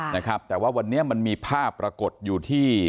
นะครับแต่ว่าวันนี้มันมีภาพปรากฏอยู่ที่